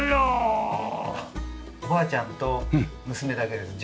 おばあちゃんと娘だけです。